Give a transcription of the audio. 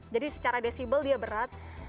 jadi secara desibel dia berat